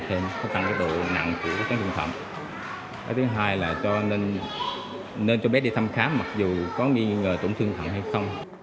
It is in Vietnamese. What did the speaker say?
thứ hai là nên cho bé đi thăm khám mặc dù có nghi ngờ tổn thương thận hay không